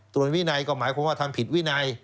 ส่วนวินัยก็หมายความว่าทำผิดวินัย